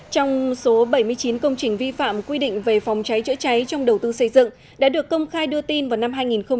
trong số bảy mươi chín công trình vi phạm quy định về phòng cháy chữa cháy trong đầu tư xây dựng đã được công khai đưa tin vào năm hai nghìn một mươi